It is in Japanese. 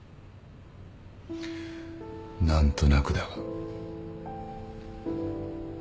何となくだが。